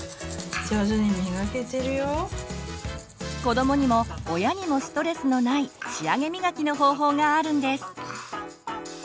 こどもにも親にもストレスのない仕上げみがきの方法があるんです。